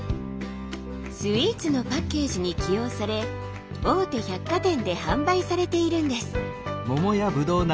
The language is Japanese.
スイーツのパッケージに起用され大手百貨店で販売されているんです。